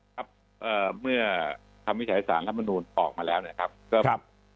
ครับเมื่อธรรมวิทยาศาสตร์และมนุษย์ออกมาแล้วนะครับ